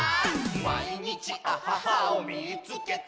「まいにちアハハをみいつけた！」